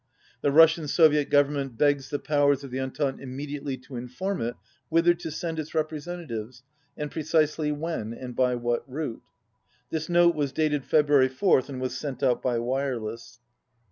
The Russian Soviet Government begs the powers of the Entente immediately to inform it whither to send its representatives, and precisely when and by what route." This note was dated February 4th, and was sent out by wireless.